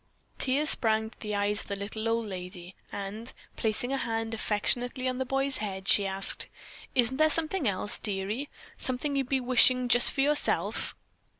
Tears sprang to the eyes of the little old lady, and placing a hand affectionately on the boy's head she asked: "Isn't there something else, dearie, something you'd be wishing just for yourself?"